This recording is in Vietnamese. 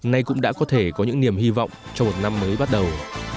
nay cũng đã có thể có những niềm hy vọng cho một năm mới bắt đầu